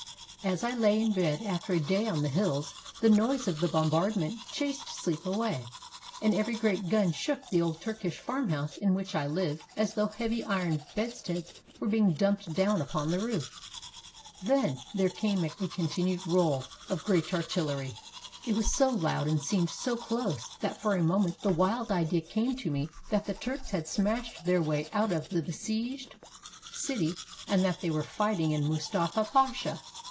As I lay in bed after a day on the hills the noise of the bombardment chased sleep away, and every great gun shook the old Turkish farmhouse in which I lived as though heavy iron bedsteads were being dumped down upon the roof. Then there came a con tinued roll of great artillery. It was so loud and seemed so close that for a moment the wild idea came to me that the Turks had smashed their way out of the besieged city and that there was fighting in Mustafa Pasha.